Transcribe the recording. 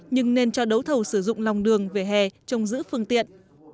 nhưng nên cho đấu thầu sử dụng lòng đường về hè trong giữ phương tiện